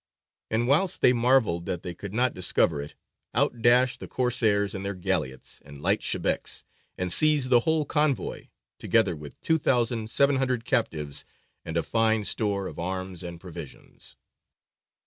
And whilst they marvelled that they could not discover it, out dashed the Corsairs in their galleots and light shebēks, and seized the whole convoy, together with two thousand seven hundred captives and a fine store of arms and provisions.